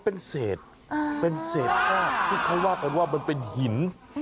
เป็นเศษเป็นเศษธาตุที่เขาว่ากันว่ามันเป็นหิน